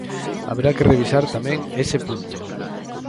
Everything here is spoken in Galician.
Haberá que revisar tamén ese punto.